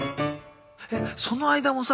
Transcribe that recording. えっその間もさ